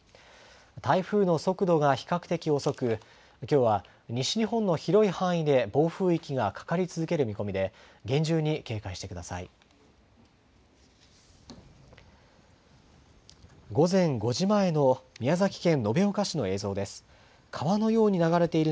台風の速度が比較的遅く、きょうは西日本の広い範囲で暴風域がかかり続ける見込みで、厳重に警戒してください。